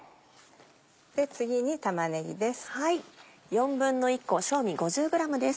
次に玉ねぎです。